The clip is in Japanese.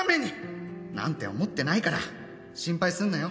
「なんて思ってないから心配すんなよ」